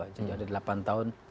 jadi ada delapan tahun